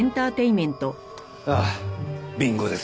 ああビンゴです。